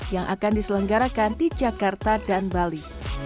yang akan diselenggarakan di jakarta dan bali